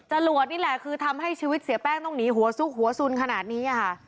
จรวดนี่แหละคือทำให้ชีวิตเสียแป้งต้องหนีหัวซุกหัวสุนขนาดนี้ค่ะ